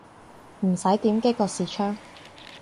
唔使點擊個視窗